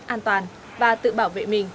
an toàn và tự bảo vệ mình